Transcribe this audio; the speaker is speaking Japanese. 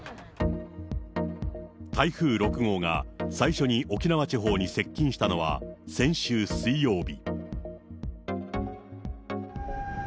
台風６号が最初に沖縄地方に接近したのは先週水曜日。